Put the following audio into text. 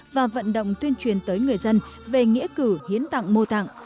và vận động tuyên truyền tới người dân về nghĩa cử hiến tạng mô tạng